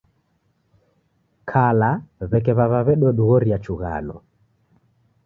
Kala w'eke w'aw'a w'ededighoria chughano.